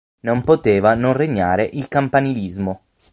Non poteva non regnare il campanilismo.